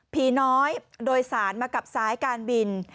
น้อยโดยสารมากับสายการบิน